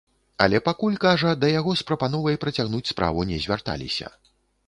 Але пакуль, кажа, да яго з прапановай працягнуць справу не звярталіся.